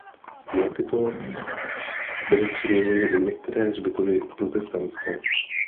Na tyto byly přeměněny i některé hřbitovy protestantské.